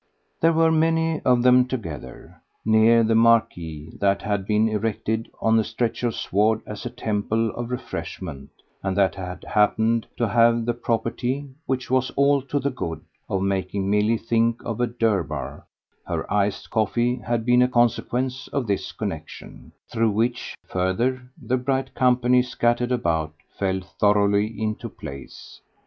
They were, many of them together, near the marquee that had been erected on a stretch of sward as a temple of refreshment and that happened to have the property which was all to the good of making Milly think of a "durbar"; her iced coffee had been a consequence of this connexion, through which, further, the bright company scattered about fell thoroughly into place.